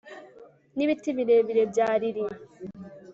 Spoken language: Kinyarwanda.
nibiti birebire bya lili